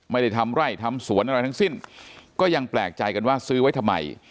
ไม่ได้ทำไร่ทำสวนอะไรทั้งสิ้นก็ยังแปลกใจกันว่าซื้อไว้ทำไม